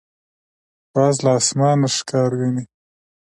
باز له اسمانه ښکار ویني.